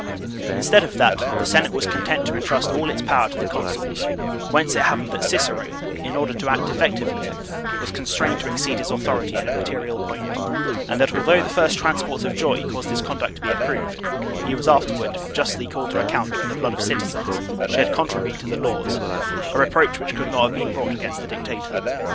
Instead of that the Senate was content to intrust all its power to the consuls ; whence it happened that Cicero, in order to act effectively, was constrained to exceed his authority in a material point, and that although the first transports of joy caused his conduct to be approved, he was afterward justly called to account for the blood of citizens shed contrary to the laws a reproach which could not have been brought against a dictator.